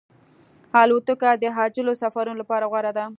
الوتکه د عاجلو سفرونو لپاره غوره ده.